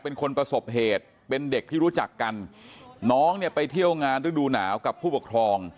เป็นคนประสบเหตุเป็นเด็กที่รู้จักกันน้องเนี่ยไปเที่ยวงานฤดูหนาวกับผู้ปกครอง